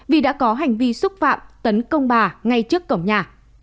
vì đã có hành vi xúc phạm tấn công bà ngay trước cổng nhà